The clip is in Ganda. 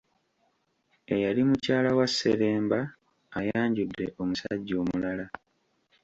Eyali mukyala wa Sseremba ayanjudde omusajja omulala.